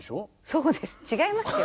そうです違いますよ。